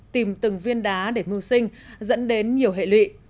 tìm từng viên đá để mưu sinh dẫn đến nhiều hệ lụy